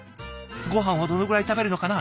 ごはんはどのぐらい食べるのかな？